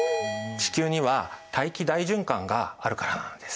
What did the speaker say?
地球には大気大循環があるからなのです。